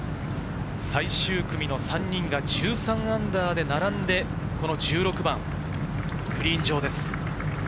最終組の３人が−１３で並んで１６番グリーン上です。